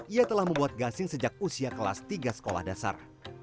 ia telah membuat gasing sejak usia kelas tiga sekolah dasar